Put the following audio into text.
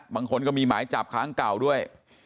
บางคนก็มีหมายจับค้างเก่าด้วย